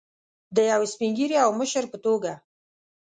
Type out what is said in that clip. د یو سپین ږیري او مشر په توګه.